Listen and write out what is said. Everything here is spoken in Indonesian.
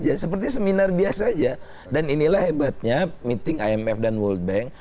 ya seperti seminar biasa aja dan inilah hebatnya meeting imf dan world bank